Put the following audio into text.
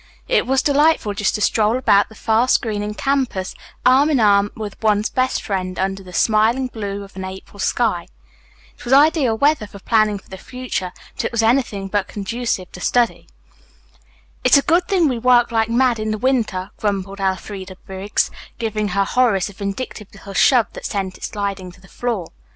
It was delightful just to stroll about the fast greening campus arm in arm with one's best friend under the smiling blue of an April sky. It was ideal weather for planning for the future, but it was anything but conducive to study. "It's a good thing we work like mad in the winter," grumbled Elfreda Briggs, giving her Horace a vindictive little shove that sent it sliding to the floor.